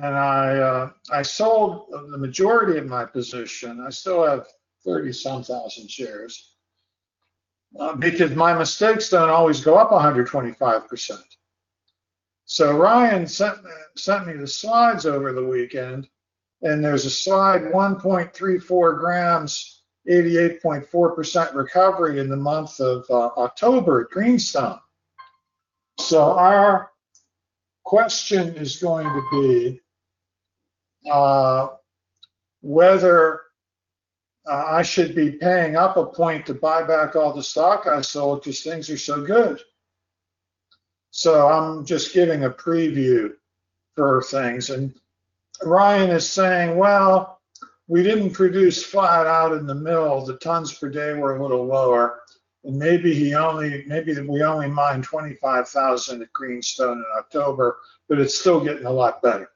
I sold the majority of my position. I still have 30-some thousand shares, because my mistakes don't always go up 125%. So Ryan sent me the slides over the weekend, and there's a slide: 1.34 grams, 88.4% recovery in the month of October at Greenstone. So our question is going to be whether I should be paying up a point to buy back all the stock I sold 'cause things are so good. So I'm just giving a preview for things. And Ryan is saying, "Well, we didn't produce flat out in the mill. The tons per day were a little lower." And maybe we only mined 25,000 at Greenstone in October, but it's still getting a lot better.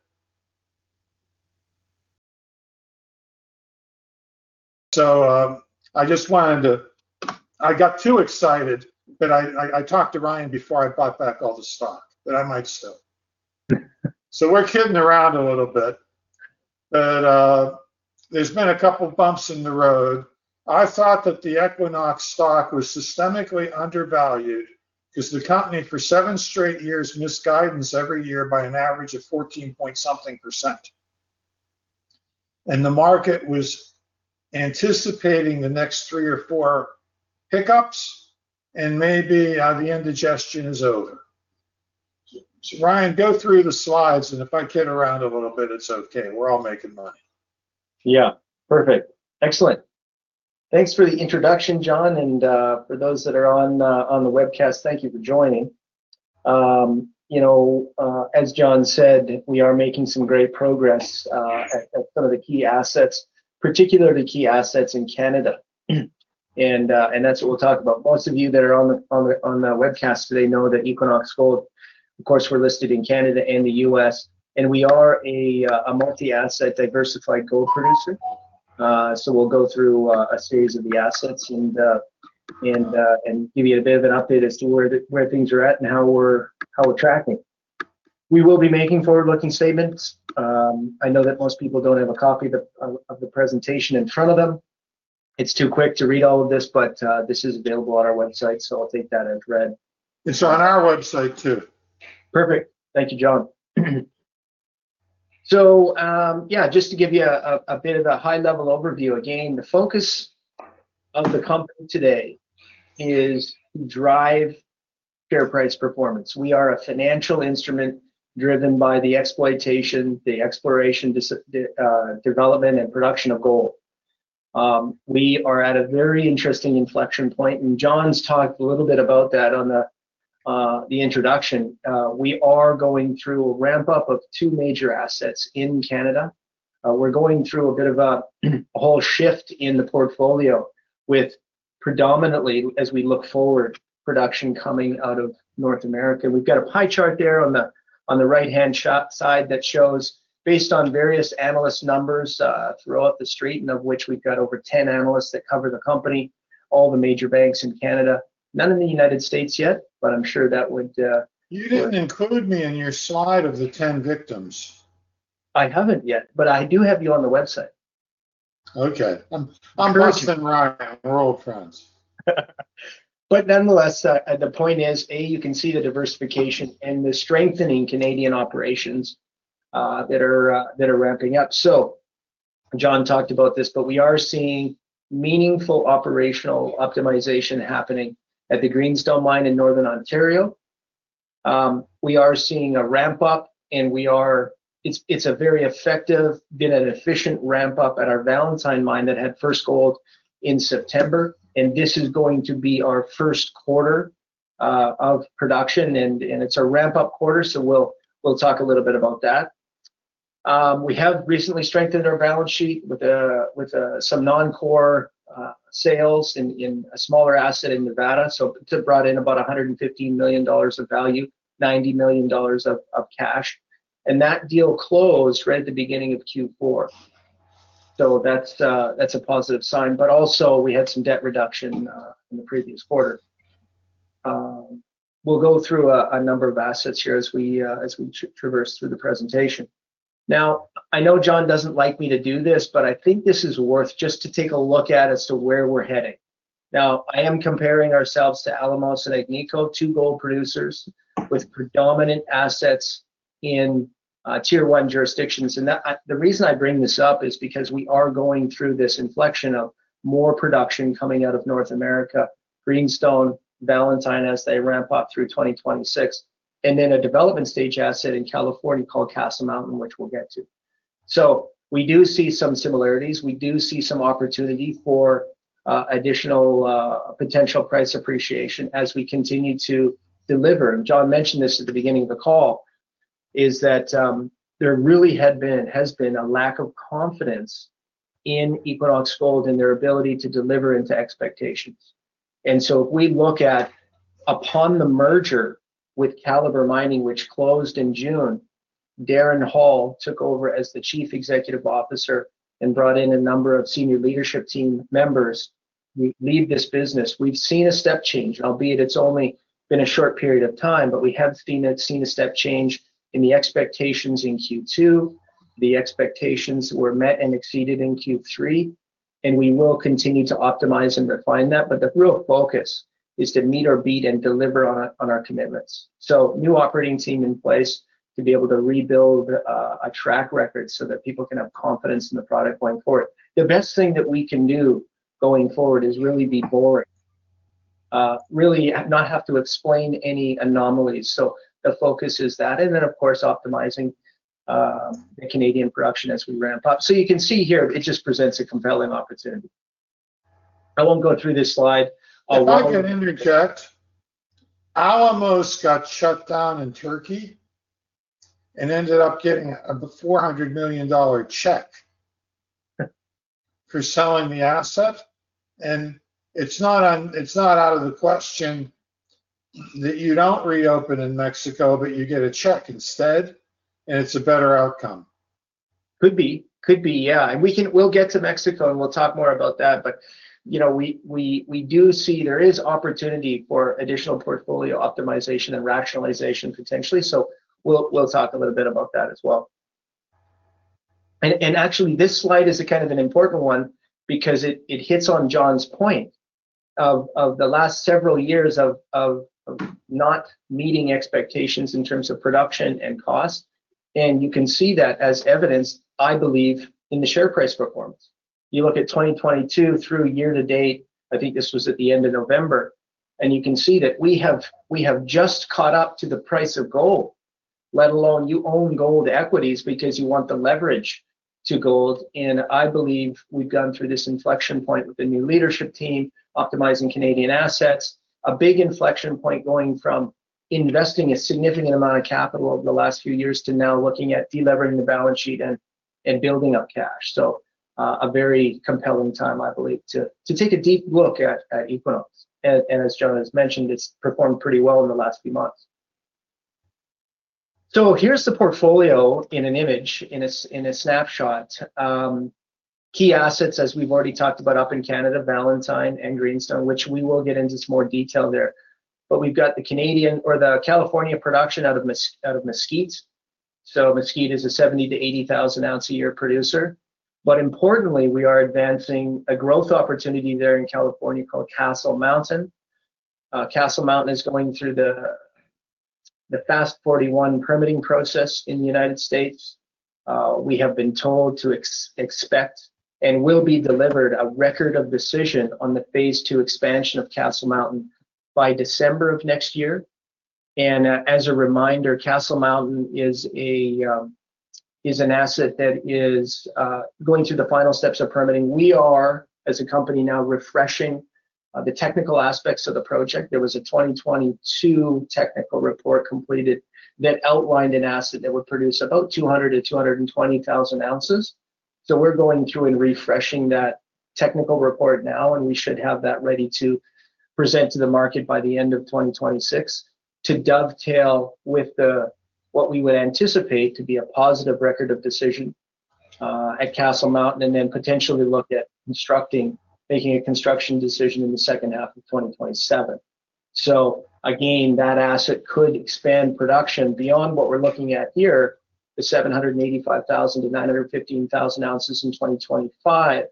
I just wanted to. I got too excited, but I talked to Ryan before I bought back all the stock that I might sell. We're kidding around a little bit, but there's been a couple of bumps in the road. I thought that the Equinox stock was systematically undervalued 'cause the company, for seven straight years, missed guidance every year by an average of 14-point-something%. The market was anticipating the next three or four hiccups, and maybe the indigestion is over. Ryan, go through the slides, and if I kid around a little bit, it's okay. We're all making money. Yeah. Perfect. Excellent. Thanks for the introduction, John. And, for those that are on the webcast, thank you for joining. You know, as John said, we are making some great progress at some of the key assets, particularly key assets in Canada. And that's what we'll talk about. Most of you that are on the webcast today know that Equinox Gold, of course, we're listed in Canada and the U.S., and we are a multi-asset diversified gold producer. So we'll go through a series of the assets and give you a bit of an update as to where things are at and how we're tracking. We will be making forward-looking statements. I know that most people don't have a copy of the presentation in front of them. It's too quick to read all of this, but this is available on our website, so I'll take that as read. It's on our website too. Perfect. Thank you, John. So, yeah, just to give you a bit of a high-level overview again, the focus of the company today is to drive share price performance. We are a financial instrument driven by the exploitation, the exploration, development, and production of gold. We are at a very interesting inflection point, and John's talked a little bit about that on the introduction. We are going through a ramp-up of two major assets in Canada. We're going through a bit of a whole shift in the portfolio with predominantly, as we look forward, production coming out of North America. We've got a pie chart there on the right-hand side that shows, based on various analyst numbers, throughout the street, and of which we've got over 10 analysts that cover the company, all the major banks in Canada. None in the United States yet, but I'm sure that would, You didn't include me in your slide of the 10 victims. I haven't yet, but I do have you on the website. Okay. I'm Ross and Ryan. We're old friends. But nonetheless, the point is A, you can see the diversification and the strengthening Canadian operations that are ramping up, so John talked about this, but we are seeing meaningful operational optimization happening at the Greenstone mine in northern Ontario. We are seeing a ramp-up, and it's a very effective, been an efficient ramp-up at our Valentine mine that had first gold in September, and this is going to be our first quarter of production, and it's a ramp-up quarter, so we'll talk a little bit about that. We have recently strengthened our balance sheet with some non-core sales in a smaller asset in Nevada, so it's brought in about $115 million of value, $90 million of cash, and that deal closed right at the beginning of Q4, so that's a positive sign. But also, we had some debt reduction in the previous quarter. We'll go through a number of assets here as we traverse through the presentation. Now, I know John doesn't like me to do this, but I think this is worth just to take a look at as to where we're heading. Now, I am comparing ourselves to Alamos and Agnico, two gold producers with predominant assets in tier one jurisdictions. And that, the reason I bring this up is because we are going through this inflection of more production coming out of North America, Greenstone, Valentine as they ramp up through 2026, and then a development stage asset in California called Castle Mountain, which we'll get to. So we do see some similarities. We do see some opportunity for additional potential price appreciation as we continue to deliver. John mentioned this at the beginning of the call, that there really has been a lack of confidence in Equinox Gold and their ability to deliver on expectations. So if we look at, upon the merger with Calibre Mining, which closed in June, Darren Hall took over as Chief Executive Officer and brought in a number of senior leadership team members who lead this business, we've seen a step change, albeit it's only been a short period of time, but we have seen it, seen a step change in the expectations in Q2. The expectations were met and exceeded in Q3, and we will continue to optimize and refine that. But the real focus is to meet or beat and deliver on our, on our commitments. So, new operating team in place to be able to rebuild a track record so that people can have confidence in the product going forward. The best thing that we can do going forward is really be boring, really not have to explain any anomalies. So the focus is that. And then, of course, optimizing the Canadian production as we ramp up. So you can see here, it just presents a compelling opportunity. I won't go through this slide. I'll roll. I can interject. Alamos got shut down in Turkey and ended up getting a $400 million check for selling the asset. And it's not on, it's not out of the question that you don't reopen in Mexico, but you get a check instead, and it's a better outcome. Could be. Could be. Yeah. And we can, we'll get to Mexico, and we'll talk more about that. But, you know, we do see there is opportunity for additional portfolio optimization and rationalization potentially. So we'll talk a little bit about that as well. And actually, this slide is a kind of an important one because it hits on John's point of the last several years of not meeting expectations in terms of production and cost. And you can see that as evidence, I believe, in the share price performance. You look at 2022 through year to date, I think this was at the end of November, and you can see that we have just caught up to the price of gold, let alone you own gold equities because you want the leverage to gold. I believe we've gone through this inflection point with the new leadership team, optimizing Canadian assets, a big inflection point going from investing a significant amount of capital over the last few years to now looking at deleveraging the balance sheet and building up cash. So a very compelling time, I believe, to take a deep look at Equinox. And as John has mentioned, it's performed pretty well in the last few months. So here's the portfolio in an image, in a snapshot. Key assets, as we've already talked about, up in Canada, Valentine and Greenstone, which we will get into some more detail there. But we've got the California production out of Mesquite. So Mesquite is a 70-80,000-ounce-a-year producer. But importantly, we are advancing a growth opportunity there in California called Castle Mountain. Castle Mountain is going through the FAST-41 permitting process in the United States. We have been told to expect and will be delivered a Record of Decision on the phase two expansion of Castle Mountain by December of next year. As a reminder, Castle Mountain is an asset that is going through the final steps of permitting. We are, as a company, now refreshing the technical aspects of the project. There was a 2022 technical report completed that outlined an asset that would produce about 200-220,000 ounces. We're going through and refreshing that technical report now, and we should have that ready to present to the market by the end of 2026 to dovetail with the, what we would anticipate to be a positive Record of Decision, at Castle Mountain, and then potentially look at constructing, making a construction decision in the second half of 2027. So again, that asset could expand production beyond what we're looking at here, the 785,000-915,000 ounces in 2025,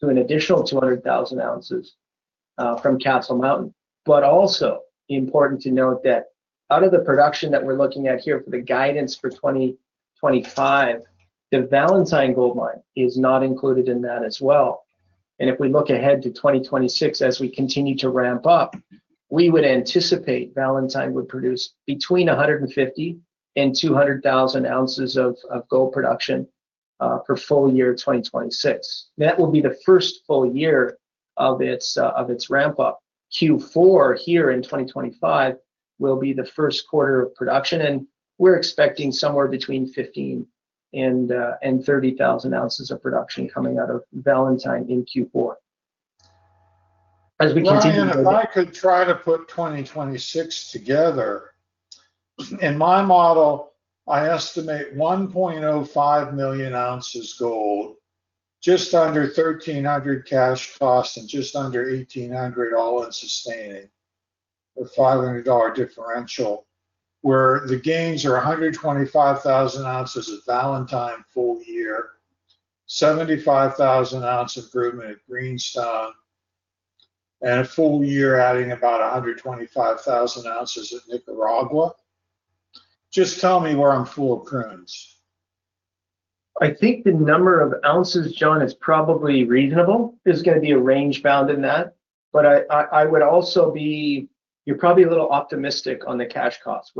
to an additional 200,000 ounces, from Castle Mountain. But also, important to note that out of the production that we're looking at here for the guidance for 2025, the Valentine Gold Mine is not included in that as well. If we look ahead to 2026, as we continue to ramp up, we would anticipate Valentine would produce between 150,000-200,000 ounces of gold production for full year 2026. That will be the first full year of its ramp-up. Q4 here in 2025 will be the first quarter of production, and we're expecting somewhere between 15,000-30,000 ounces of production coming out of Valentine in Q4. As we continue. Ryan, if I could try to put 2026 together, in my model, I estimate 1.05 million ounces gold, just under 1,300 cash cost and just under 1,800 all in sustaining for $500 differential, where the gains are 125,000 ounces of Valentine full year, 75,000-ounce improvement at Greenstone, and a full year adding about 125,000 ounces at Nicaragua. Just tell me where I'm full of prunes. I think the number of ounces, John, is probably reasonable. There's gonna be a range bound in that, but I would also be, you're probably a little optimistic on the cash cost.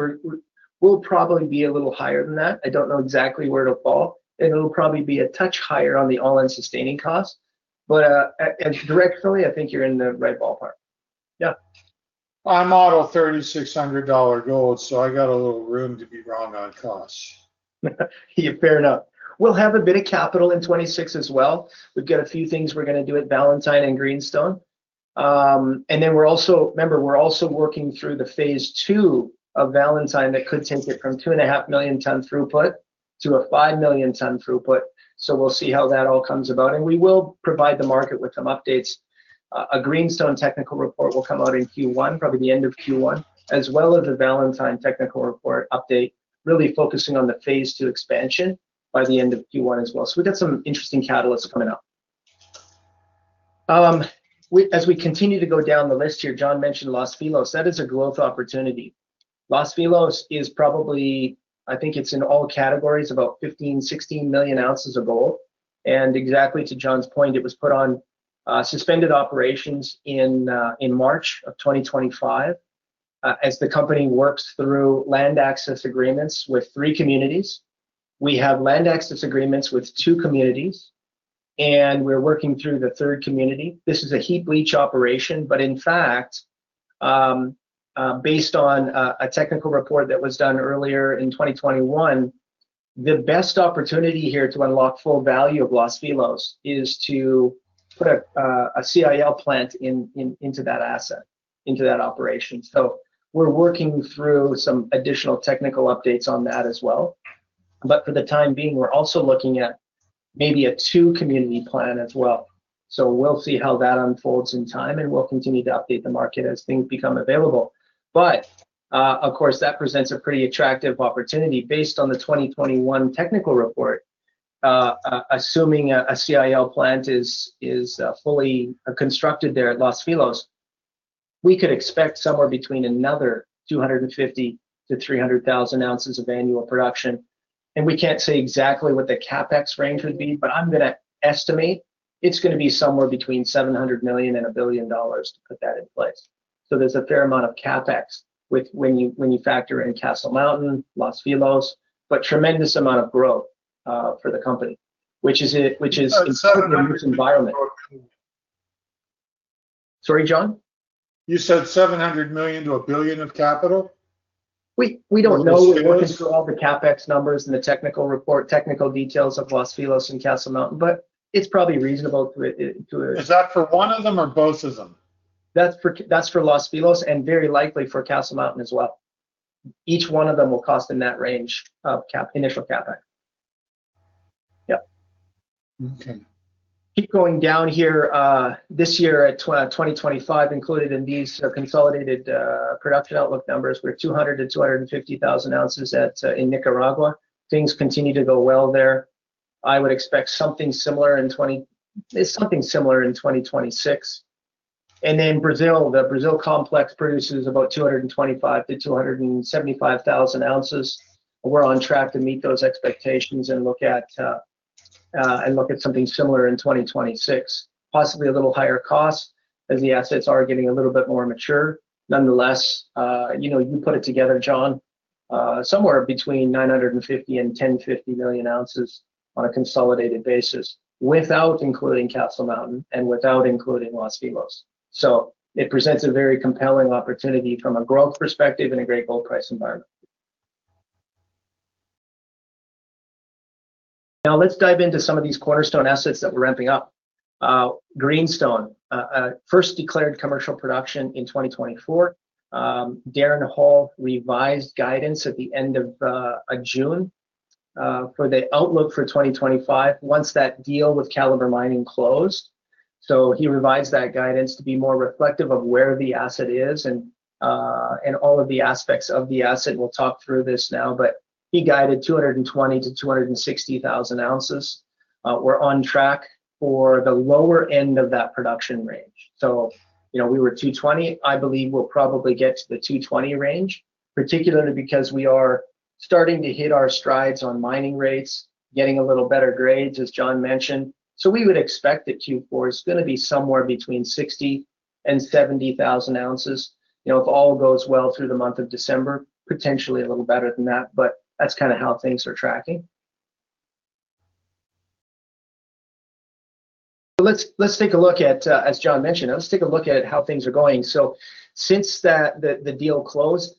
We'll probably be a little higher than that. I don't know exactly where it'll fall, and it'll probably be a touch higher on the all-in sustaining cost. But, and directionally, I think you're in the right ballpark. Yeah. I model $3,600 gold, so I got a little room to be wrong on cost. Yeah, fair enough. We'll have a bit of capital in 2026 as well. We've got a few things we're gonna do at Valentine and Greenstone. And then we're also, remember, we're also working through the phase two of Valentine that could take it from 2.5 million ton throughput to a 5 million ton throughput. So we'll see how that all comes about. And we will provide the market with some updates. A Greenstone technical report will come out in Q1, probably the end of Q1, as well as a Valentine technical report update, really focusing on the phase two expansion by the end of Q1 as well. So we've got some interesting catalysts coming up. We, as we continue to go down the list here, John mentioned Los Filos. That is a growth opportunity. Los Filos is probably, I think it's in all categories, about 15-16 million ounces of gold. Exactly to John's point, it was put on suspended operations in March of 2025, as the company works through land access agreements with three communities. We have land access agreements with two communities, and we're working through the third community. This is a heap leach operation, but in fact, based on a technical report that was done earlier in 2021, the best opportunity here to unlock full value of Los Filos is to put a CIL plant into that asset, into that operation. So we're working through some additional technical updates on that as well, but for the time being, we're also looking at maybe a two-community plan as well. So we'll see how that unfolds in time, and we'll continue to update the market as things become available. But, of course, that presents a pretty attractive opportunity based on the 2021 technical report, assuming a CIL plant is fully constructed there at Los Filos. We could expect somewhere between another 250-300,000 ounces of annual production. And we can't say exactly what the CapEx range would be, but I'm gonna estimate it's gonna be somewhere between $700 million and $1 billion to put that in place. So there's a fair amount of CapEx when you factor in Castle Mountain, Los Filos, but tremendous amount of growth for the company, which is in a huge environment. Sorry, John? You said $700 million-$1 billion of capital? We don't know. We're looking through all the CapEx numbers and the technical report, technical details of Los Filos and Castle Mountain, but it's probably reasonable to. Is that for one of them or both of them? That's for, that's for Los Filos and very likely for Castle Mountain as well. Each one of them will cost in that range of Cap initial CapEx. Yep. Okay. Keep going down here. This year, 2025, included in these are consolidated production outlook numbers. We're 200,000-250,000 ounces at, in Nicaragua. Things continue to go well there. I would expect something similar in 2025, something similar in 2026. And then Brazil, the Brazil complex produces about 225,000-275,000 ounces. We're on track to meet those expectations and look at something similar in 2026, possibly a little higher cost as the assets are getting a little bit more mature. Nonetheless, you know, you put it together, John, somewhere between 950,000 and 1,050,000 ounces on a consolidated basis without including Castle Mountain and without including Los Filos. So it presents a very compelling opportunity from a growth perspective in a great gold price environment. Now let's dive into some of these cornerstone assets that we're ramping up. Greenstone first declared commercial production in 2024. Darren Hall revised guidance at the end of June for the outlook for 2025 once that deal with Calibre Mining closed. So he revised that guidance to be more reflective of where the asset is and all of the aspects of the asset. We'll talk through this now, but he guided 220,000-260,000 ounces. We're on track for the lower end of that production range. So, you know, we were 220. I believe we'll probably get to the 220 range, particularly because we are starting to hit our strides on mining rates, getting a little better grades, as John mentioned. So we would expect that Q4 is gonna be somewhere between 60,000-70,000 ounces, you know, if all goes well through the month of December, potentially a little better than that. But that's kind of how things are tracking. Let's take a look at, as John mentioned, how things are going. Since that deal closed,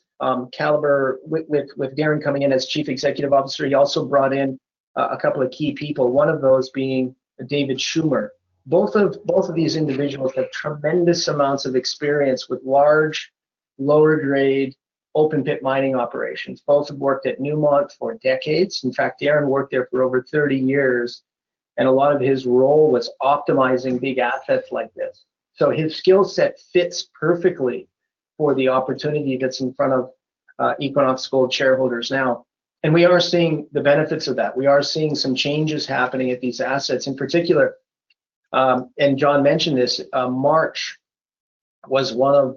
Calibre with Darren coming in as Chief Executive Officer, he also brought in a couple of key people, one of those being David Schummer. Both of these individuals have tremendous amounts of experience with large, lower-grade open-pit mining operations. Both have worked at Newmont for decades. In fact, Darren worked there for over 30 years, and a lot of his role was optimizing big assets like this. So his skill set fits perfectly for the opportunity that's in front of Equinox Gold shareholders now. We are seeing the benefits of that. We are seeing some changes happening at these assets. In particular, and John mentioned this, March was one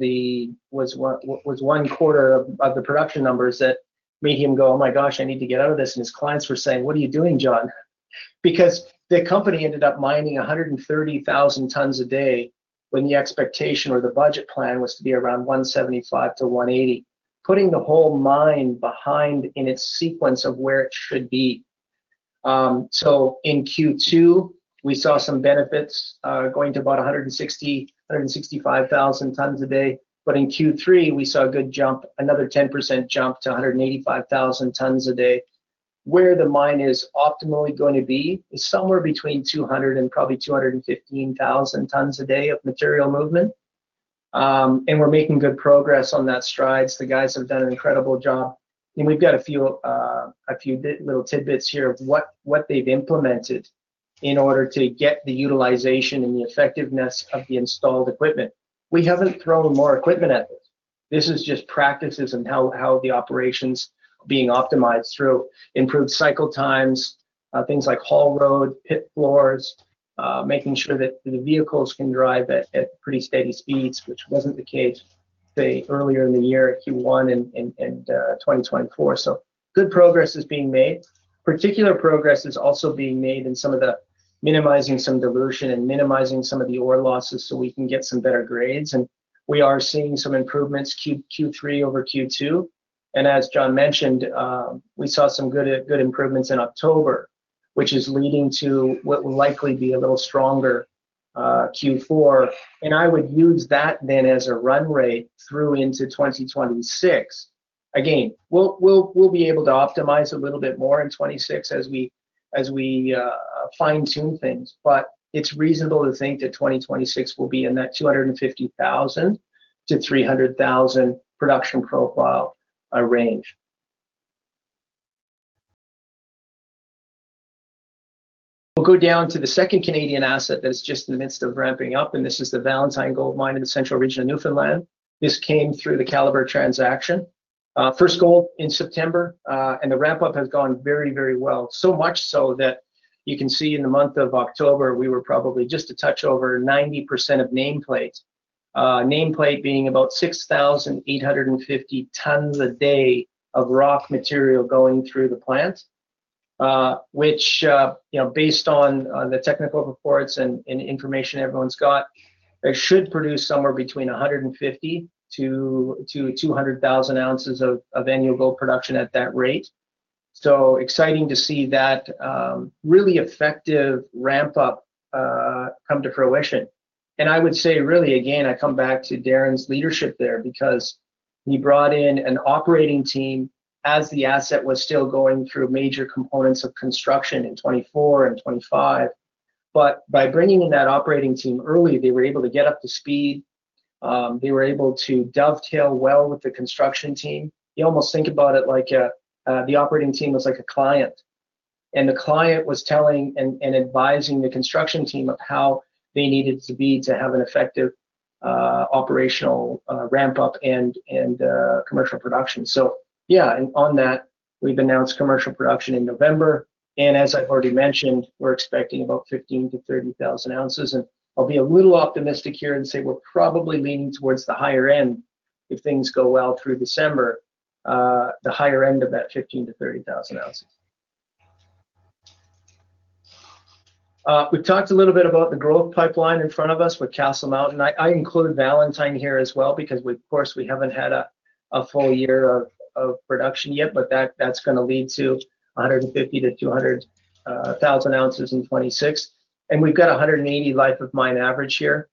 quarter of the production numbers that made him go, "Oh my gosh, I need to get out of this." And his clients were saying, "What are you doing, John?" Because the company ended up mining 130,000 tons a day when the expectation or the budget plan was to be around 175-180, putting the whole mine behind in its sequence of where it should be, so in Q2, we saw some benefits, going to about 160-165,000 tons a day. But in Q3, we saw a good jump, another 10% jump to 185,000 tons a day. Where the mine is optimally going to be is somewhere between 200 and probably 215,000 tons a day of material movement, and we're making good progress on that strides. The guys have done an incredible job. And we've got a few little tidbits here of what they've implemented in order to get the utilization and the effectiveness of the installed equipment. We haven't thrown more equipment at this. This is just practices and how the operations are being optimized through improved cycle times, things like haul road, pit floors, making sure that the vehicles can drive at pretty steady speeds, which wasn't the case, say, earlier in the year Q1 and 2024. Good progress is being made. Particular progress is also being made in minimizing some dilution and minimizing some of the ore losses so we can get some better grades. We are seeing some improvements Q3 over Q2. As John mentioned, we saw some good improvements in October, which is leading to what will likely be a little stronger Q4. I would use that then as a run rate through into 2026. Again, we'll be able to optimize a little bit more in 2026 as we fine-tune things. But it's reasonable to think that 2026 will be in that 250,000-300,000 production profile range. We'll go down to the second Canadian asset that is just in the midst of ramping up, and this is the Valentine Gold Mine in the Central Region of Newfoundland. This came through the Calibre transaction, first gold in September, and the ramp-up has gone very, very well. So much so that you can see in the month of October, we were probably just a touch over 90% of nameplate, nameplate being about 6,850 tons a day of rock material going through the plant, which, you know, based on the technical reports and information everyone's got, it should produce somewhere between 150-200,000 ounces of annual gold production at that rate. So exciting to see that, really effective ramp-up, come to fruition. And I would say really, again, I come back to Darren's leadership there because he brought in an operating team as the asset was still going through major components of construction in 2024 and 2025. But by bringing in that operating team early, they were able to get up to speed. They were able to dovetail well with the construction team. You almost think about it like a, the operating team was like a client, and the client was telling and advising the construction team of how they needed to be to have an effective, operational, ramp-up and commercial production. Yeah, and on that, we've announced commercial production in November. And as I've already mentioned, we're expecting about 15,000-30,000 ounces. And I'll be a little optimistic here and say we're probably leaning towards the higher end if things go well through December, the higher end of that 15,000-30,000 ounces. We've talked a little bit about the growth pipeline in front of us with Castle Mountain. I include Valentine here as well because we, of course, haven't had a full year of production yet, but that's gonna lead to 150,000-200,000 ounces in 2026. And we've got 180 life of mine average here,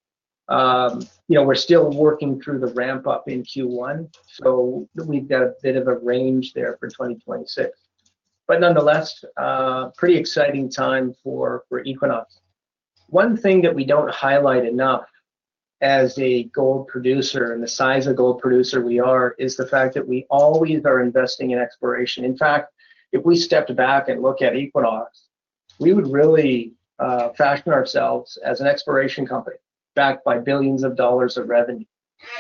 you know. We're still working through the ramp-up in Q1, so we've got a bit of a range there for 2026. But nonetheless, pretty exciting time for Equinox. One thing that we don't highlight enough as a gold producer and the size of gold producer we are is the fact that we always are investing in exploration. In fact, if we stepped back and look at Equinox, we would really fashion ourselves as an exploration company, backed by billions of dollars of revenue.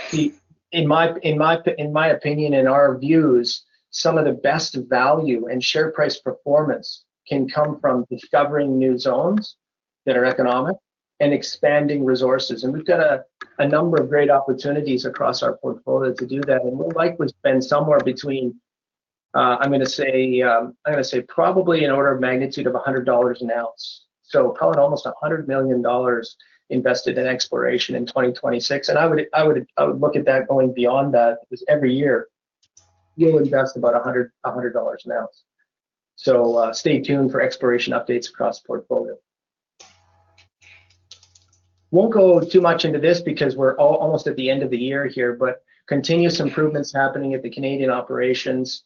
See, in my opinion, in our views, some of the best value and share price performance can come from discovering new zones that are economic and expanding resources. And we've got a number of great opportunities across our portfolio to do that. And we'll likely spend somewhere between. I'm gonna say, I'm gonna say probably in order of magnitude of $100 an ounce. So probably almost $100 million invested in exploration in 2026. And I would, I would, I would look at that going beyond that because every year you'll invest about $100, $100 an ounce. So, stay tuned for exploration updates across the portfolio. Won't go too much into this because we're almost at the end of the year here, but continuous improvements happening at the Canadian operations.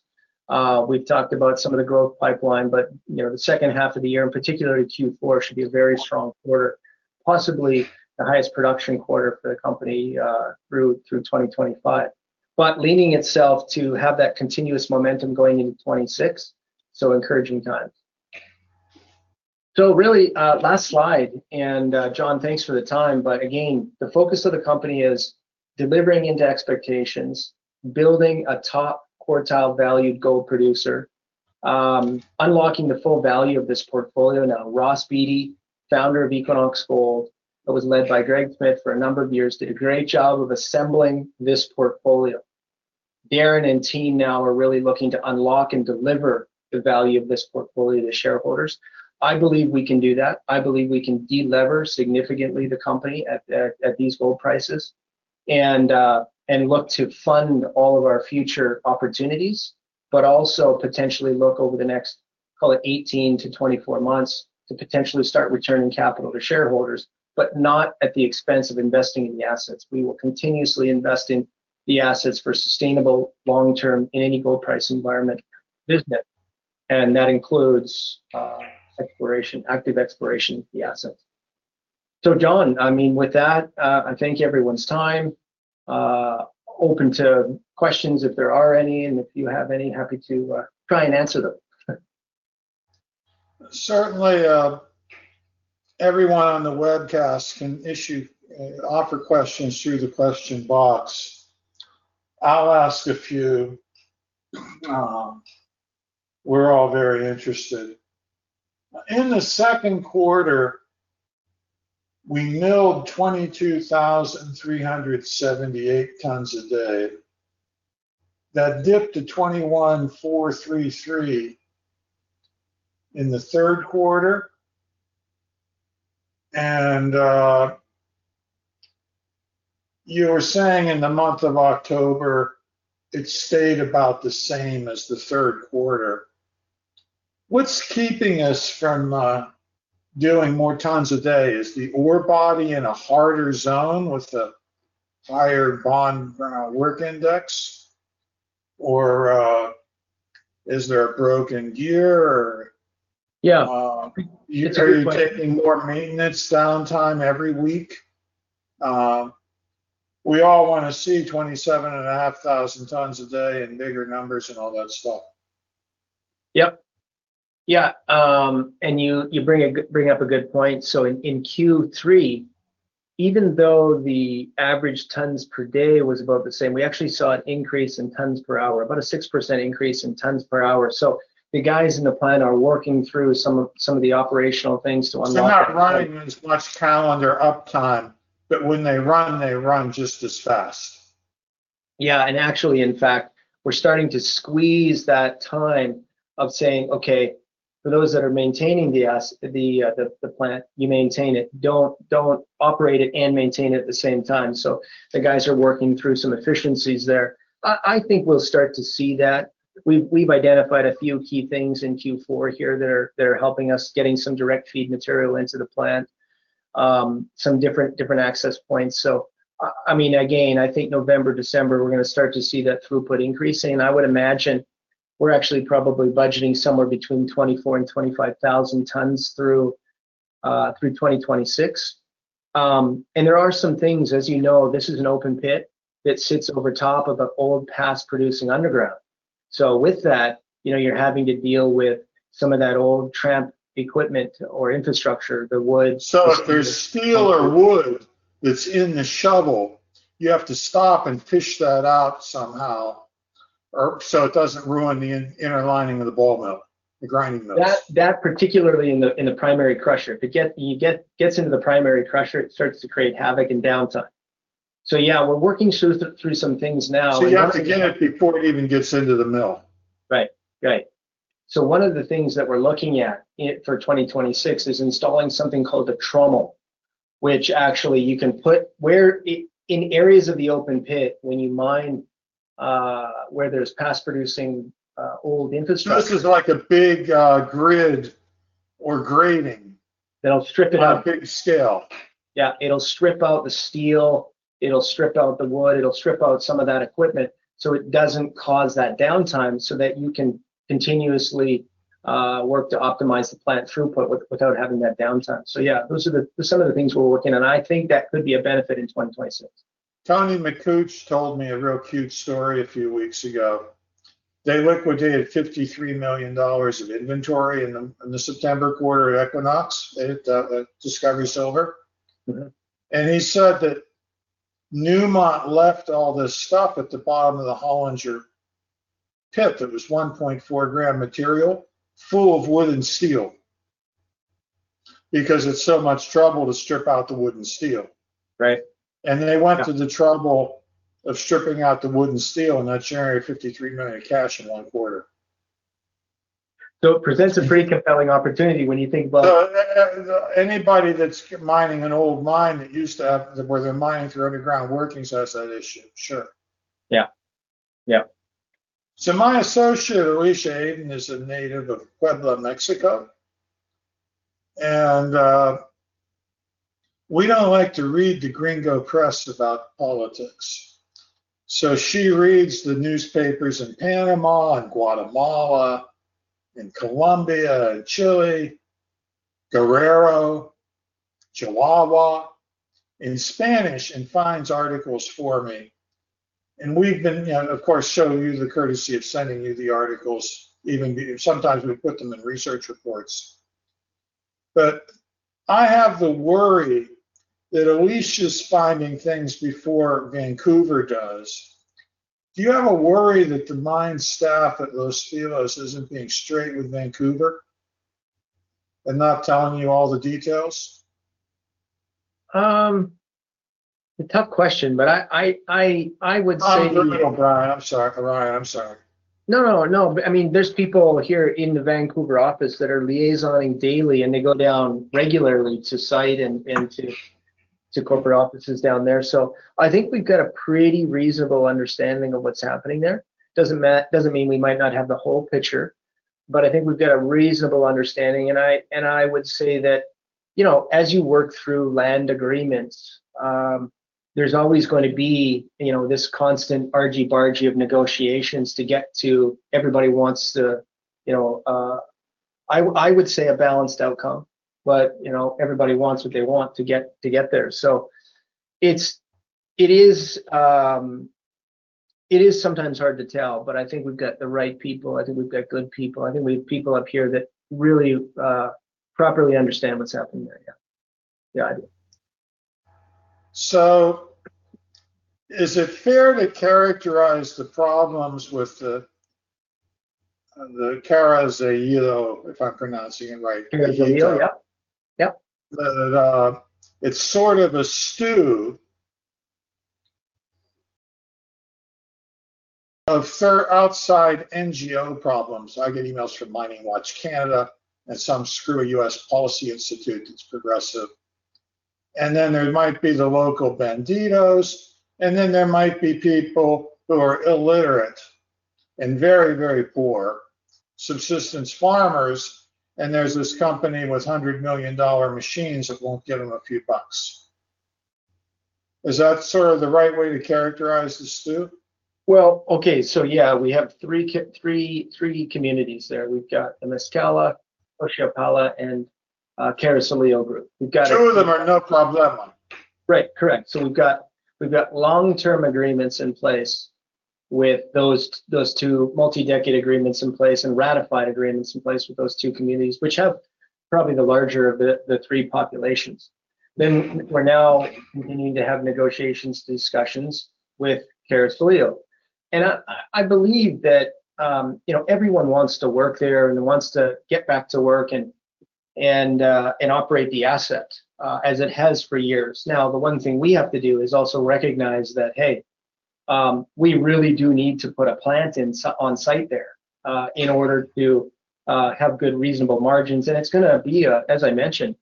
We've talked about some of the growth pipeline, but, you know, the second half of the year, in particular, Q4 should be a very strong quarter, possibly the highest production quarter for the company, through, through 2025, but lending itself to have that continuous momentum going into 2026. So encouraging times. So really, last slide. And, John, thanks for the time. But again, the focus of the company is delivering into expectations, building a top quartile valued gold producer, unlocking the full value of this portfolio. Now, Ross Beaty, founder of Equinox Gold, that was led by Greg Smith for a number of years, did a great job of assembling this portfolio. Darren and team now are really looking to unlock and deliver the value of this portfolio to shareholders. I believe we can do that. I believe we can delever significantly the company at these gold prices and look to fund all of our future opportunities, but also potentially look over the next, call it 18-24 months to potentially start returning capital to shareholders, but not at the expense of investing in the assets. We will continuously invest in the assets for sustainable long-term in any gold price environment business. And that includes exploration, active exploration, the assets. So, John, I mean, with that, I thank everyone's time. Open to questions if there are any, and if you have any, happy to try and answer them. Certainly, everyone on the webcast can issue or offer questions through the question box. I'll ask a few. We're all very interested. In the second quarter, we milled 22,378 tons a day. That dipped to 21,433 in the third quarter. You were saying in the month of October, it stayed about the same as the third quarter. What's keeping us from doing more tons a day? Is the ore body in a harder zone with a higher Bond work index, or is there a broken gear or? Yeah. You're taking more maintenance downtime every week. We all wanna see 27,500 tons a day and bigger numbers and all that stuff. Yep. Yeah. And you bring up a good point. So in Q3, even though the average tons per day was about the same, we actually saw an increase in tons per hour, about a 6% increase in tons per hour. So the guys in the plant are working through some of the operational things to unlock. They're not running as much calendar uptime, but when they run, they run just as fast. Yeah. And actually, in fact, we're starting to squeeze that time of saying, okay, for those that are maintaining the asset, the plant, you maintain it, don't operate it and maintain it at the same time. So the guys are working through some efficiencies there. I think we'll start to see that. We've identified a few key things in Q4 here that are helping us getting some direct feed material into the plant, some different access points. So, I mean, again, I think November, December, we're gonna start to see that throughput increasing. And I would imagine we're actually probably budgeting somewhere between 24,000 and 25,000 tons through 2026. And there are some things, as you know, this is an open pit that sits over top of an old past producing underground. So with that, you know, you're having to deal with some of that old tramp equipment or infrastructure, the wood. So if there's steel or wood that's in the shovel, you have to stop and fish that out somehow or so it doesn't ruin the inner lining of the ball mill, the grinding mills. That particularly in the primary crusher. If it gets into the primary crusher, it starts to create havoc and downtime. So yeah, we're working through some things now. So you have to get it before it even gets into the mill. Right. Right. So one of the things that we're looking at for 2026 is installing something called a trommel, which actually you can put in areas of the open pit when you mine, where there's past producing, old infrastructure. This is like a big grid or grading. It'll strip it out. On a big scale. Yeah. It'll strip out the steel. It'll strip out the wood. It'll strip out some of that equipment so it doesn't cause that downtime so that you can continuously work to optimize the plant throughput without having that downtime. So yeah, those are some of the things we're working on. I think that could be a benefit in 2026. Tony Makuch told me a real cute story a few weeks ago. They liquidated $53 million of inventory in the September quarter at Equinox at Discovery Silver. Mm-hmm. He said that Newmont left all this stuff at the bottom of the Hollinger pit. It was 1.4 gram material full of wood and steel because it's so much trouble to strip out the wood and steel. Right. They went to the trouble of stripping out the wood and steel and that generated $53 million in one quarter. So it presents a pretty compelling opportunity when you think about. Anybody that's mining an old mine that used to have where they're mining through underground working has that issue. Sure. Yeah. Yeah. My associate, Alicia Hayden, is a native of Puebla, Mexico. We don't like to read the Gringo Press about politics. She reads the newspapers in Panama and Guatemala and Colombia and Chile, Guerrero, Chihuahua in Spanish and finds articles for me. We've been, you know, of course, show you the courtesy of sending you the articles. Even sometimes we put them in research reports. But I have the worry that Alicia's finding things before Vancouver does. Do you have a worry that the mine staff at Los Filos isn't being straight with Vancouver and not telling you all the details? It's a tough question, but I would say. Oh, no, no, Brian, I'm sorry. Brian, I'm sorry. No, no, no. But I mean, there's people here in the Vancouver office that are liaisoning daily, and they go down regularly to site and to corporate offices down there. So I think we've got a pretty reasonable understanding of what's happening there. Doesn't mean we might not have the whole picture, but I think we've got a reasonable understanding. And I would say that, you know, as you work through land agreements, there's always gonna be, you know, this constant argy-bargy of negotiations to get to everybody wants to, you know, I would say a balanced outcome, but, you know, everybody wants what they want to get, to get there. So it's, it is sometimes hard to tell, but I think we've got the right people. I think we've got good people. I think we have people up here that really, properly understand what's happening there. Yeah. Yeah, I do. Is it fair to characterize the problems with the Carrizalillo, if I'm pronouncing it right? Carrizalillo, yep. Yep. That. It's sort of a stew of outside NGO problems. I get emails from MiningWatch Canada and some sorta U.S. policy institute that's progressive, and then there might be the local banditos, and then there might be people who are illiterate and very, very poor subsistence farmers, and there's this company with $100 million machines that won't give them a few bucks. Is that sort of the right way to characterize the stew? Okay. So yeah, we have three, three, three communities there. We've got the Mezcala, Xochipala, and Carrizalillo group. We've got a. Two of them are no problemo. Right. Correct. So we've got long-term agreements in place with those two multi-decade agreements in place and ratified agreements in place with those two communities, which have probably the larger of the three populations. Then we're now continuing to have negotiations, discussions with Carrizalillo. And I believe that, you know, everyone wants to work there and wants to get back to work and operate the asset, as it has for years. Now, the one thing we have to do is also recognize that, hey, we really do need to put a plant in on site there, in order to have good reasonable margins. And it's gonna be a, as I mentioned,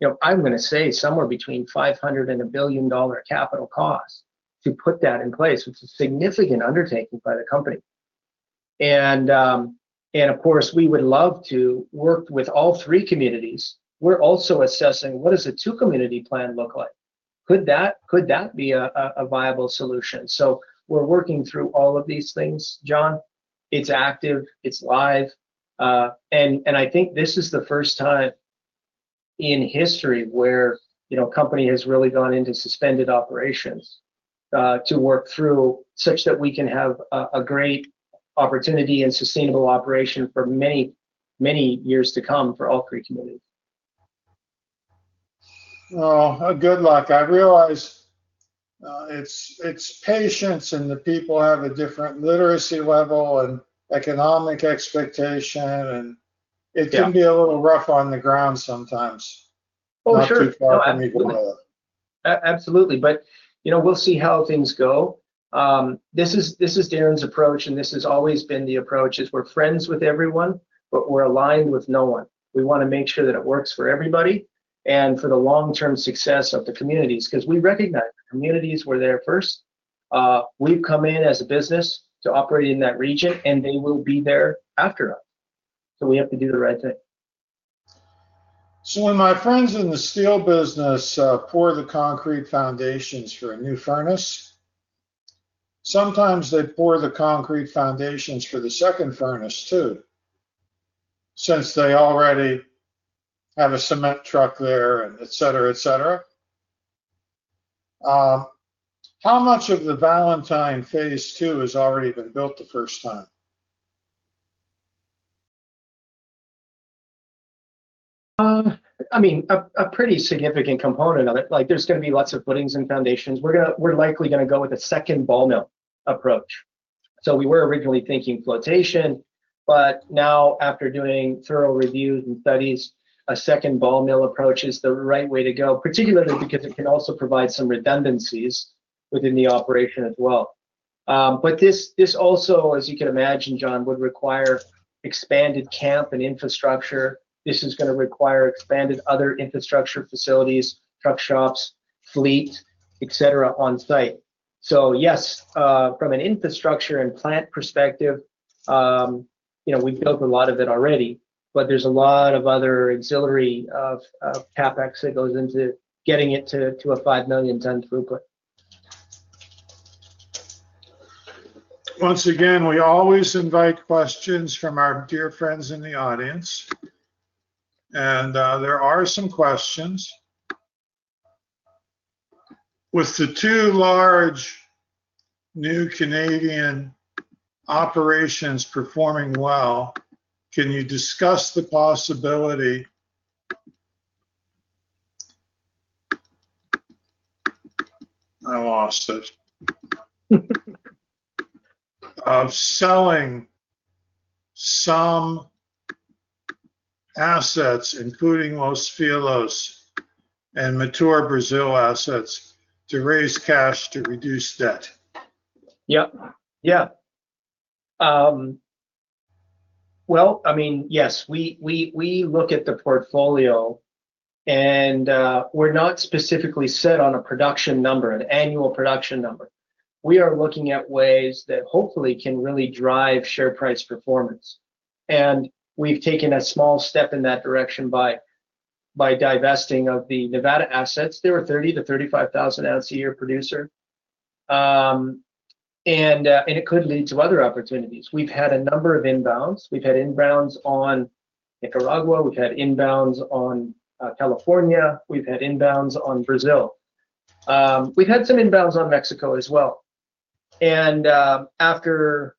you know, I'm gonna say somewhere between $500 million and $1 billion capital cost to put that in place, which is a significant undertaking by the company. Of course, we would love to work with all three communities. We're also assessing what does a two-community plan look like? Could that be a viable solution? We're working through all of these things, John. It's active. It's live. I think this is the first time in history where, you know, a company has really gone into suspended operations to work through such that we can have a great opportunity and sustainable operation for many years to come for all three communities. Good luck. I realize it's patience and the people have a different literacy level and economic expectation, and it can be a little rough on the ground sometimes. Oh, sure. Absolutely. But, you know, we'll see how things go. This is, this is Darren's approach, and this has always been the approach is we're friends with everyone, but we're aligned with no one. We wanna make sure that it works for everybody and for the long-term success of the communities. 'Cause we recognize the communities were there first. We've come in as a business to operate in that region, and they will be there after us. So we have to do the right thing. So when my friends in the steel business pour the concrete foundations for a new furnace, sometimes they pour the concrete foundations for the second furnace too, since they already have a cement truck there and et cetera, et cetera. How much of the Valentine phase two has already been built the first time? I mean, a pretty significant component of it. Like, there's gonna be lots of footings and foundations. We're likely gonna go with a second ball mill approach. So we were originally thinking flotation, but now after doing thorough reviews and studies, a second ball mill approach is the right way to go, particularly because it can also provide some redundancies within the operation as well. But this also, as you can imagine, John, would require expanded camp and infrastructure. This is gonna require expanded other infrastructure facilities, truck shops, fleet, et cetera, on site. So yes, from an infrastructure and plant perspective, you know, we've built a lot of it already, but there's a lot of other auxiliary CapEx that goes into getting it to a 5 million ton throughput. Once again, we always invite questions from our dear friends in the audience, and there are some questions. With the two large new Canadian operations performing well, can you discuss the possibility, I lost it, of selling some assets, including Los Filos and mature Brazil assets to raise cash to reduce debt? Yep. Yeah. Well, I mean, yes, we look at the portfolio and, we're not specifically set on a production number, an annual production number. We are looking at ways that hopefully can really drive share price performance. And we've taken a small step in that direction by divesting of the Nevada assets. They were 30-35,000 ounce a year producer. And it could lead to other opportunities. We've had a number of inbounds. We've had inbounds on Nicaragua. We've had inbounds on California. We've had inbounds on Brazil. We've had some inbounds on Mexico as well. And after,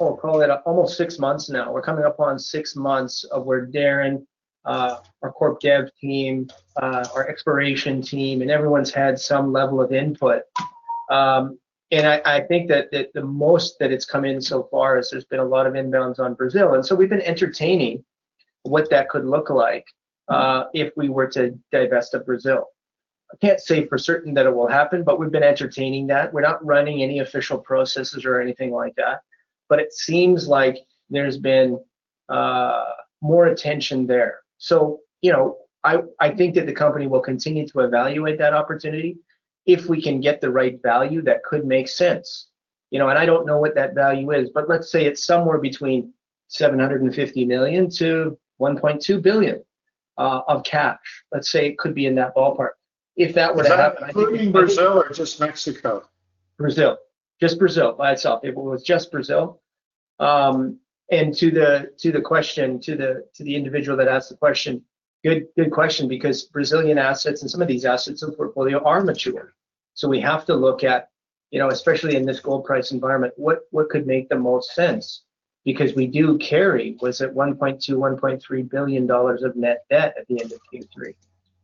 I'll call it almost six months now, we're coming up on six months of where Darren and our Corp Dev team, our exploration team, and everyone's had some level of input. I think that the most that it's come in so far is there's been a lot of inbounds on Brazil. And so we've been entertaining what that could look like, if we were to divest of Brazil. I can't say for certain that it will happen, but we've been entertaining that. We're not running any official processes or anything like that, but it seems like there's been more attention there. So, you know, I think that the company will continue to evaluate that opportunity if we can get the right value that could make sense. You know, and I don't know what that value is, but let's say it's somewhere between $750 million-$1.2 billion of cash. Let's say it could be in that ballpark. If that were to happen. Is that including Brazil or just Mexico? Brazil. Just Brazil by itself. If it was just Brazil. To the question to the individual that asked the question, good question, because Brazilian assets and some of these assets in the portfolio are mature. So we have to look at, you know, especially in this gold price environment, what could make the most sense? Because we do carry, was it $1.2-$1.3 billion of net debt at the end of Q3?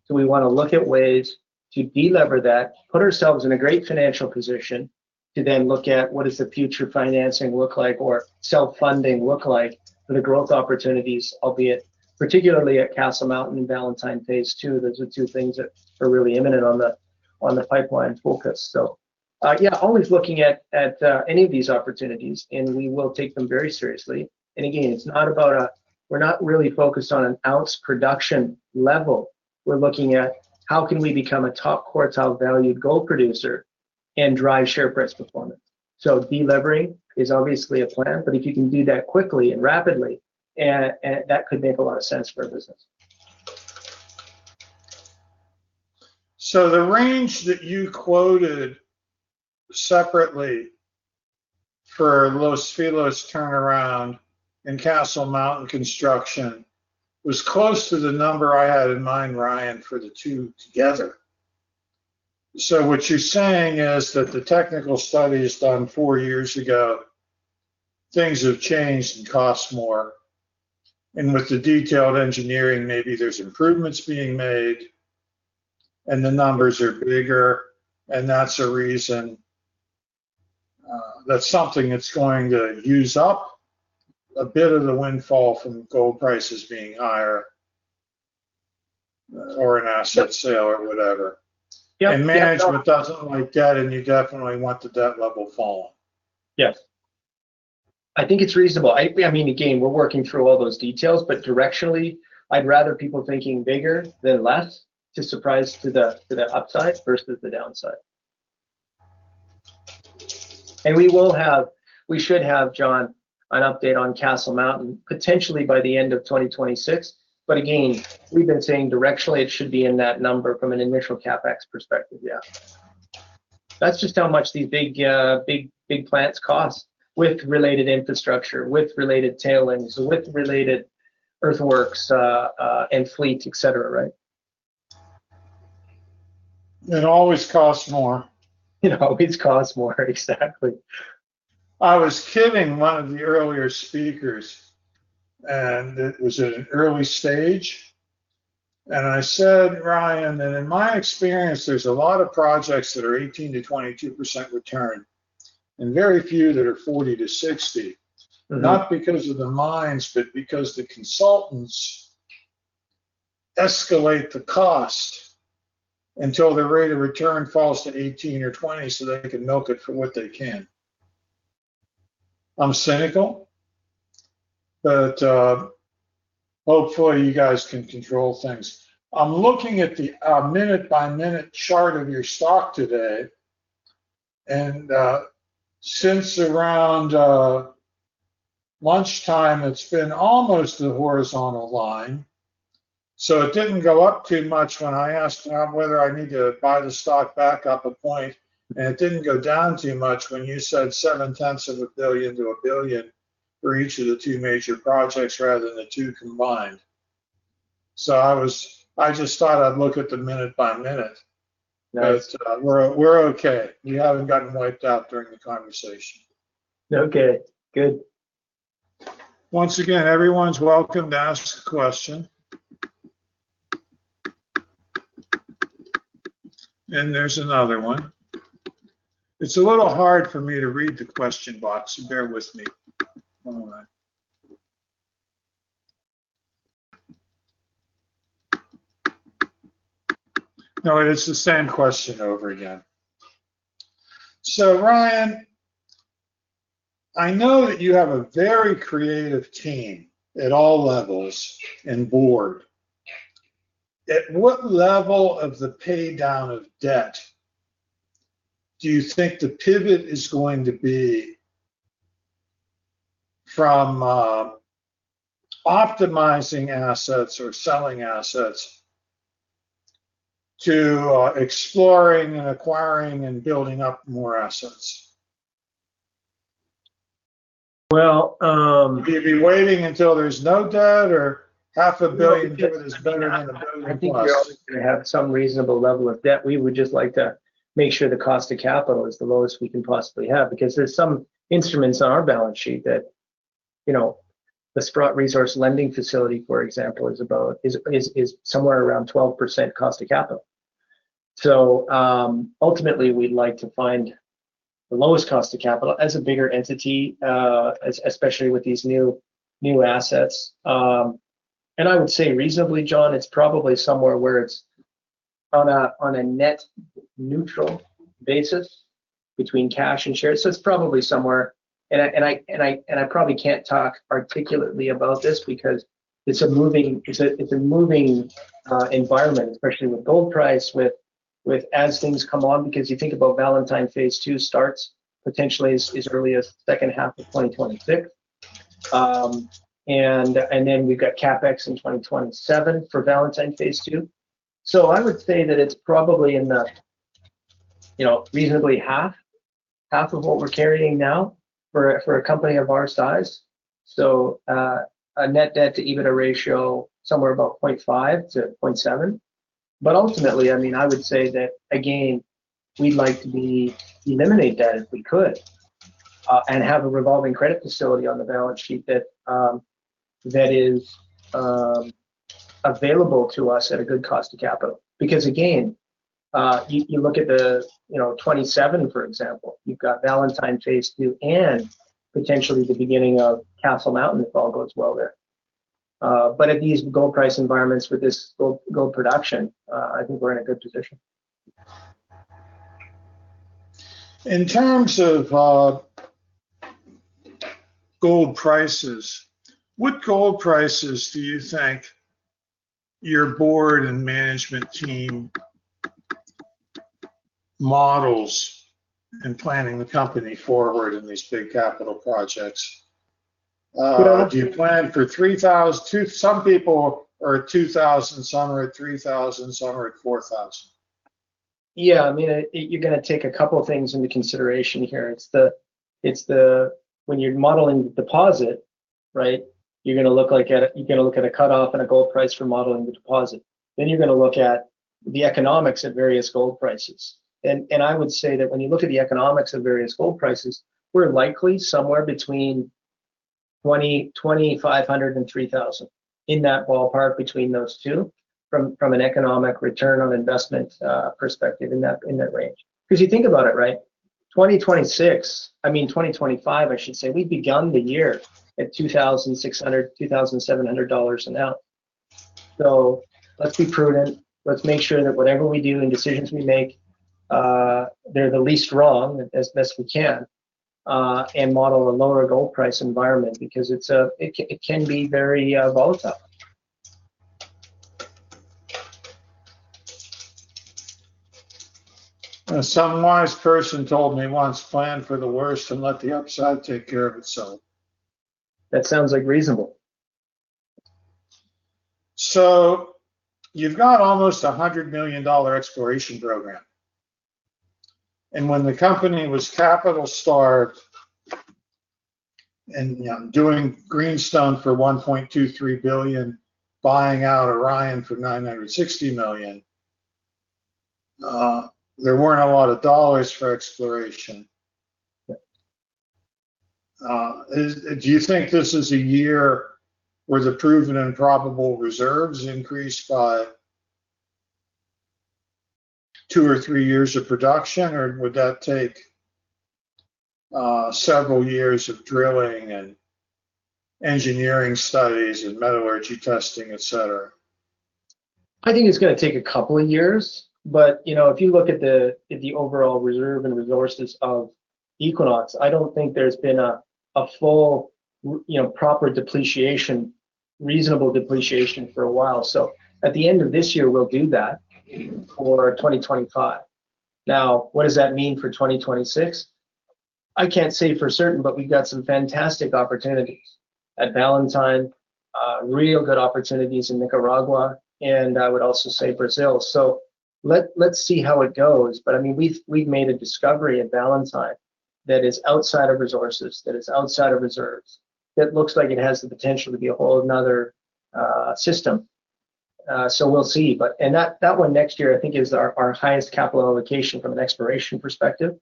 So we wanna look at ways to delever that, put ourselves in a great financial position to then look at what does the future financing look like or self-funding look like for the growth opportunities, albeit particularly at Castle Mountain and Valentine phase two. Those are two things that are really imminent on the pipeline focus. So, yeah, always looking at any of these opportunities, and we will take them very seriously. And again, it's not about, we're not really focused on an ounce production level. We're looking at how can we become a top quartile valued gold producer and drive share price performance. So delivering is obviously a plan, but if you can do that quickly and rapidly, that could make a lot of sense for our business. So the range that you quoted separately for Los Filos turnaround and Castle Mountain construction was close to the number I had in mind, Ryan, for the two together. So what you're saying is that the technical studies done four years ago, things have changed and cost more. And with the detailed engineering, maybe there's improvements being made and the numbers are bigger, and that's a reason, that's something that's going to use up a bit of the windfall from gold prices being higher or an asset sale or whatever. Yep. Management doesn't like debt, and you definitely want the debt level falling. Yes. I think it's reasonable. I, I mean, again, we're working through all those details, but directionally, I'd rather people thinking bigger than less to surprise to the, to the upside versus the downside, and we will have, we should have, John, an update on Castle Mountain potentially by the end of 2026. But again, we've been saying directionally it should be in that number from an initial CapEx perspective. Yeah. That's just how much these big, big, big plants cost with related infrastructure, with related tailings, with related earthworks, and fleet, et cetera, right? It always costs more. It always costs more. Exactly. I was kidding one of the earlier speakers, and it was at an early stage, and I said, Ryan, that in my experience, there's a lot of projects that are 18%-22% return and very few that are 40%-60%. Mm-hmm. Not because of the mines, but because the consultants escalate the cost until the rate of return falls to 18 or 20 so they can milk it for what they can. I'm cynical, but hopefully you guys can control things. I'm looking at the minute-by-minute chart of your stock today, and since around lunchtime, it's been almost the horizontal line. So it didn't go up too much when I asked whether I need to buy the stock back up a point, and it didn't go down too much when you said $700 million-$1 billion for each of the two major projects rather than the two combined. So I was. I just thought I'd look at the minute-by-minute. Nice. But, we're okay. We haven't gotten wiped out during the conversation. Okay. Good. Once again, everyone's welcome to ask a question. And there's another one. It's a little hard for me to read the question box. Bear with me one moment. No, it is the same question over again. So, Ryan, I know that you have a very creative team at all levels and board. At what level of the paydown of debt do you think the pivot is going to be from, optimizing assets or selling assets to, exploring and acquiring and building up more assets? Well. Are you waiting until there's no debt or $500 million too? It is better than $1 billion plus. I think we're going to have some reasonable level of debt. We would just like to make sure the cost of capital is the lowest we can possibly have because there's some instruments on our balance sheet that, you know, the Sprott Resource Lending Facility, for example, is about somewhere around 12% cost of capital. So, ultimately, we'd like to find the lowest cost of capital as a bigger entity, especially with these new assets. And I would say reasonably, John, it's probably somewhere where it's on a net neutral basis between cash and shares. So it's probably somewhere. And I probably can't talk articulately about this because it's a moving environment, especially with gold price, with as things come on, because you think about Valentine phase two starts potentially as early as second half of 2026. And then we've got CapEx in 2027 for Valentine phase two. So I would say that it's probably in the, you know, reasonably half of what we're carrying now for a company of our size. So, a net debt to EBITDA ratio somewhere about 0.5-0.7. But ultimately, I mean, I would say that, again, we'd like to be eliminate that if we could, and have a revolving credit facility on the balance sheet that is available to us at a good cost of capital. Because again, you look at the, you know, 2027, for example, you've got Valentine phase two and potentially the beginning of Castle Mountain if all goes well there, but at these gold price environments with this gold production, I think we're in a good position. In terms of gold prices, what gold prices do you think your board and management team models in planning the company forward in these big capital projects? Do you plan for $3,000, $2,000? Some people are at $2,000, some are at $3,000, some are at $4,000? Yeah. I mean, you're gonna take a couple of things into consideration here. It's the, when you're modeling the deposit, right, you're gonna look at a cutoff and a gold price for modeling the deposit. Then you're gonna look at the economics at various gold prices. And I would say that when you look at the economics of various gold prices, we're likely somewhere between $2,500 and $3,000 in that ballpark between those two from an economic return on investment perspective in that range. 'Cause you think about it, right? 2026, I mean, 2025, I should say, we've begun the year at $2,600, $2,700 an ounce. So let's be prudent. Let's make sure that whatever we do and decisions we make, they're the least wrong as best we can, and model a lower gold price environment because it can be very volatile. A wise man told me once, "Plan for the worst and let the upside take care of itself. That sounds reasonable. You've got almost $100 million exploration program. When the company was capital starved and, you know, doing Greenstone for $1.23 billion, buying out Orion for $960 million, there weren't a lot of dollars for exploration. Do you think this is a year where the proven and probable reserves increase by two or three years of production, or would that take several years of drilling and engineering studies and metallurgy testing, et cetera? I think it's gonna take a couple of years. But, you know, if you look at the overall reserve and resources of Equinox, I don't think there's been a full, you know, proper depreciation, reasonable depreciation for a while. So at the end of this year, we'll do that for 2025. Now, what does that mean for 2026? I can't say for certain, but we've got some fantastic opportunities at Valentine, real good opportunities in Nicaragua, and I would also say Brazil. So let's see how it goes. But I mean, we've made a discovery at Valentine that is outside of resources, that is outside of reserves, that looks like it has the potential to be a whole nother system. So we'll see. But, and that one next year, I think is our highest capital allocation from an exploration perspective.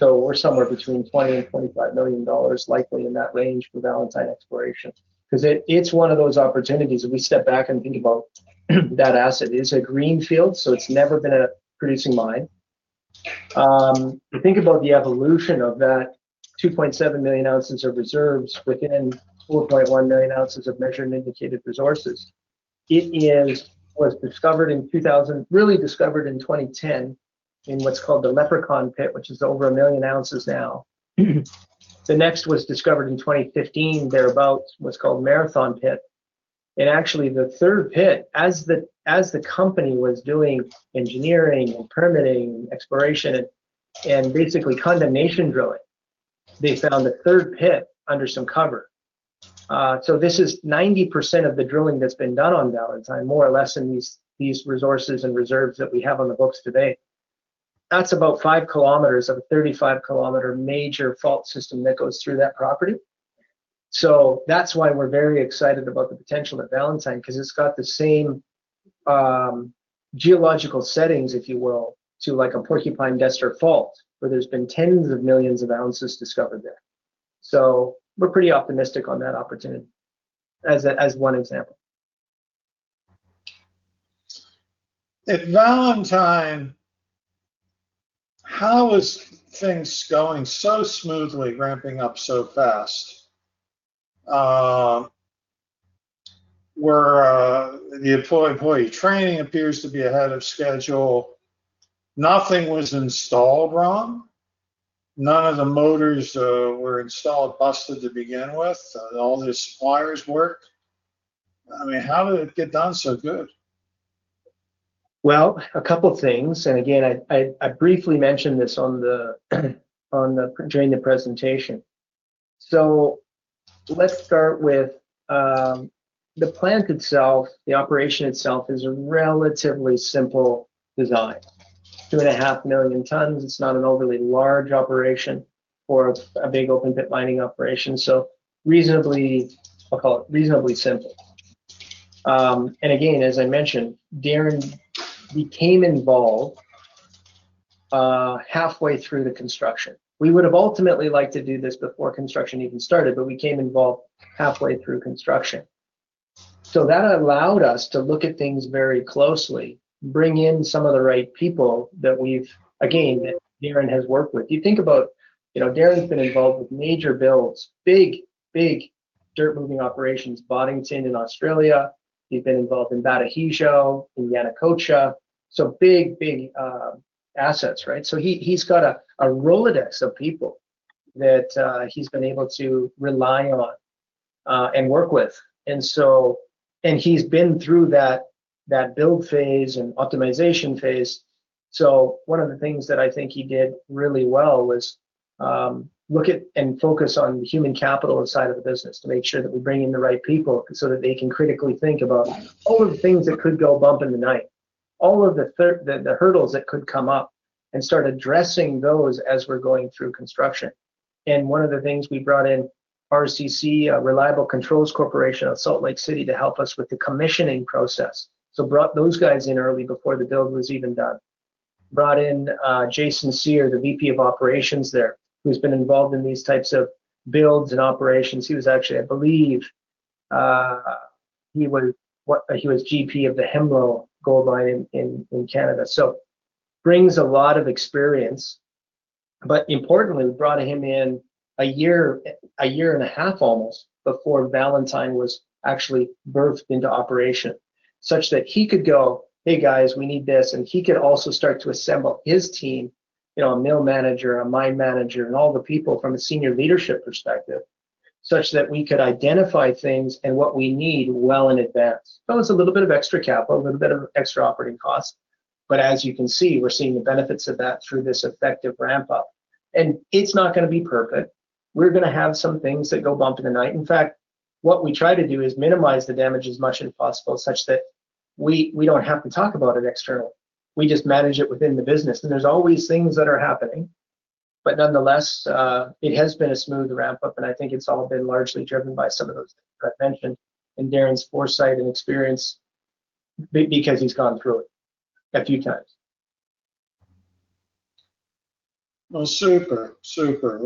We're somewhere between $20 and $25 million, likely in that range, for Valentine exploration. 'Cause it, it's one of those opportunities if we step back and think about that asset. It's a greenfield. So it's never been a producing mine. Think about the evolution of that 2.7 million ounces of reserves within 4.1 million ounces of measured and indicated resources. It was discovered in 2000, really discovered in 2010 in what's called the Leprechaun Pit, which is over a million ounces now. The next was discovered in 2015, thereabouts, what's called Marathon Pit. And actually the third pit, as the company was doing engineering and permitting and exploration and basically condemnation drilling, they found the third pit under some cover. So this is 90% of the drilling that's been done on Valentine, more or less in these resources and reserves that we have on the books today. That's about five kilometers of a 35-kilometer major fault system that goes through that property. So that's why we're very excited about the potential at Valentine 'cause it's got the same geological settings, if you will, to like a Porcupine-Destor Fault where there's been tens of millions of ounces discovered there. So we're pretty optimistic on that opportunity as one example. At Valentine, how is things going so smoothly, ramping up so fast? Where the employee training appears to be ahead of schedule. Nothing was installed, Ron. None of the motors were installed, busted to begin with. All the suppliers work. I mean, how did it get done so good? A couple of things. Again, I briefly mentioned this during the presentation. So let's start with the plant itself. The operation itself is a relatively simple design. 2.5 million tons. It's not an overly large operation or a big open pit mining operation. So reasonably, I'll call it reasonably simple. And again, as I mentioned, Darren became involved halfway through the construction. We would have ultimately liked to do this before construction even started, but we became involved halfway through construction. So that allowed us to look at things very closely, bring in some of the right people that we've again that Darren has worked with. You think about, you know, Darren's been involved with major builds, big, big dirt moving operations, Boddington in Australia. He's been involved in Batu Hijau, Yanacocha. So big, big assets, right? So he, he's got a Rolodex of people that he's been able to rely on, and work with. And so he's been through that build phase and optimization phase. One of the things that I think he did really well was look at and focus on the human capital side of the business to make sure that we bring in the right people so that they can critically think about all of the things that could go bump in the night, all of the hurdles that could come up and start addressing those as we're going through construction. One of the things we brought in was RCC, Reliable Controls Corporation of Salt Lake City to help us with the commissioning process. So we brought those guys in early before the build was even done. Brought in Jason Cyr, the VP of Operations there, who's been involved in these types of builds and operations. He was actually, I believe, GM of the Hemlo Gold Mine in Canada. So brings a lot of experience. But importantly, we brought him in a year, a year and a half almost before Valentine was actually birthed into operation such that he could go, "Hey guys, we need this." And he could also start to assemble his team, you know, a mill manager, a mine manager, and all the people from a senior leadership perspective such that we could identify things and what we need well in advance. That was a little bit of extra capital, a little bit of extra operating cost. But as you can see, we're seeing the benefits of that through this effective ramp up. It's not gonna be perfect. We're gonna have some things that go bump in the night. In fact, what we try to do is minimize the damage as much as possible such that we don't have to talk about it externally. We just manage it within the business. There's always things that are happening. Nonetheless, it has been a smooth ramp up. I think it's all been largely driven by some of those things I've mentioned and Darren's foresight and experience because he's gone through it a few times. Super, super.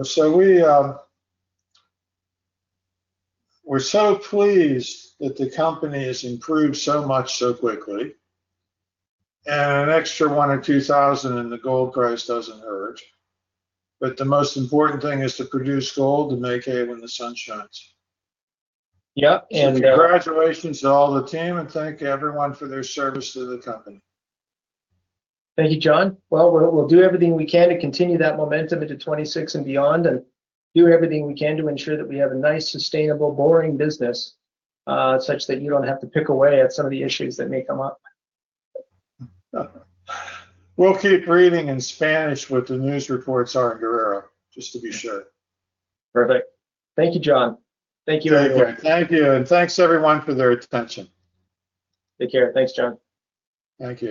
We're so pleased that the company has improved so much so quickly. An extra $1,000-$2,000 in the gold price doesn't hurt. The most important thing is to produce gold and make hay when the sun shines. Yep. And Congratulations to all the team and thank everyone for their service to the company. Thank you, John. We'll do everything we can to continue that momentum into 2026 and beyond and do everything we can to ensure that we have a nice, sustainable, boring business, such that you don't have to pick away at some of the issues that may come up. We'll keep reading in Spanish what the news reports are in Guerrero, just to be sure. Perfect. Thank you, John. Thank you, everyone. Thank you, and thanks everyone for their attention. Take care. Thanks, John. Thank you.